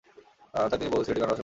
তাই তিনি বহু সিলেটি গান রচনা করেছেন।